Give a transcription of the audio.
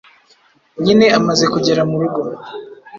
nyine amaze kugera murugo